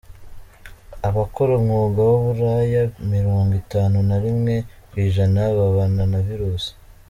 Abakora umwuga w’uburaya mirongo itanu na rimwe kwijana babana na virusi